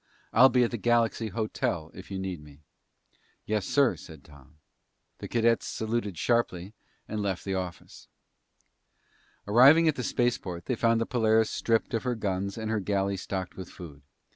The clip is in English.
I'll be at the Galaxy Hotel if you need me." "Yes, sir," said Tom. The cadets saluted sharply and left the office. Arriving at the spaceport, they found the Polaris stripped of her guns and her galley stocked with food.